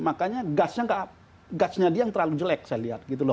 makanya gusnya dia yang terlalu jelek saya lihat gitu loh